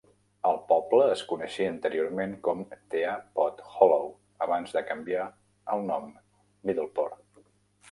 El poble es coneixia anteriorment com Tea-Pot Hollow abans de canviar al nom Middleport.